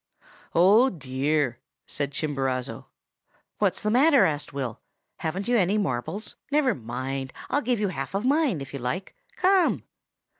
"'Oh, dear!' said Chimborazo. "'What's the matter?' asked Will. 'Haven't you any marbles? Never mind. I'll give you half of mine, if you like. Come!